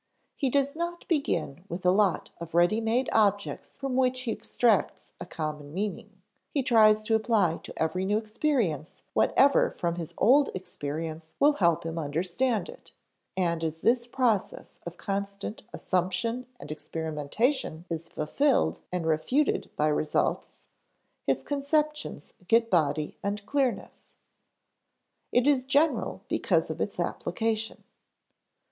He does not begin with a lot of ready made objects from which he extracts a common meaning; he tries to apply to every new experience whatever from his old experience will help him understand it, and as this process of constant assumption and experimentation is fulfilled and refuted by results, his conceptions get body and clearness. [Sidenote: It is general because of its application] 2.